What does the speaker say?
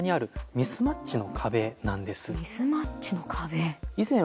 ミスマッチの壁。